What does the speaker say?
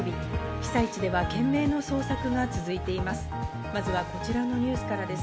被災地では懸命の捜索が続いています。